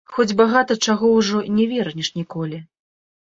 Хоць багата чаго ўжо не вернеш ніколі.